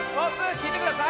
きいてください！